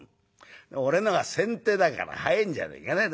「俺のが先手だから早いんじゃねえかな。